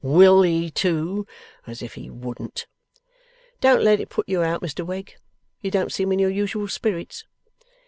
WILL he, too! As if he wouldn't!' 'Don't let it put you out, Mr Wegg. You don't seem in your usual spirits.